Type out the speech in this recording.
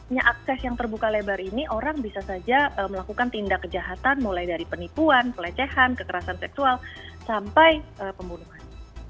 nah akses yang terbuka lebar ini orang bisa saja melakukan tindak kejahatan mulai dari penipuan pelecehan kekerasan seksual sampai pembunuhan